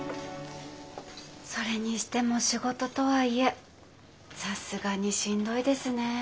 それにしても仕事とはいえさすがにしんどいですね。